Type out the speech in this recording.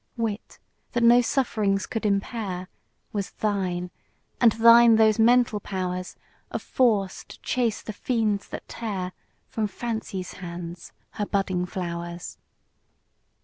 Wit, that no sufferings could impair, Was thine, and thine those mental powers Of force to chase the fiends that tear From Fancy's hands her budding flowers.